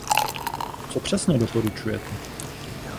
Co přesně doporučujete?